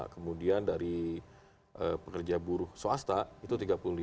kemudian dari pekerja buruh swasta itu tiga puluh lima